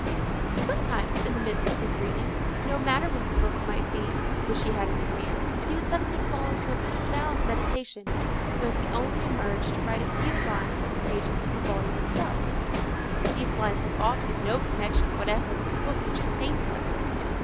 Sometimes, in the midst of his reading, no matter what the book might be which he had in his hand, he would suddenly fall into a profound meditation, whence he only emerged to write a few lines on the pages of the volume itself. These lines have often no connection whatever with the book which contains them.